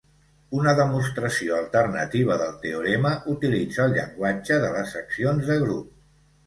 Una demostració alternativa del teorema utilitza el llenguatge de les accions de grup.